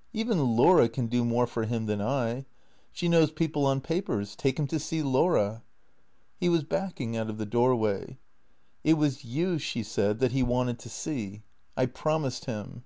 " Even Laura can do more for him than I. She knows people on papers. Take him to see Laura." He was backing out of the doorway. " It was you," she said, " that he wanted to see. I promised him."